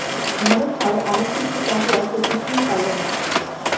মনে হয়, অনেক কিছু চাহিয়া সে কিছুই পাইল না।